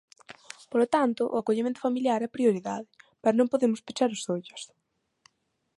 Polo tanto, o acollemento familiar é a prioridade, pero non podemos pechar os ollos.